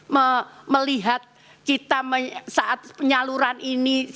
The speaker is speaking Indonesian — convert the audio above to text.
melihat kita saat penyaluran ini